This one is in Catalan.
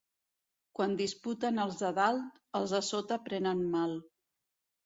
Quan disputen els de dalt, els de sota prenen mal.